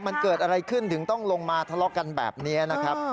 มันเกิดอะไรขึ้นถึงต้องลงมาทะเลาะกันแบบนี้นะครับ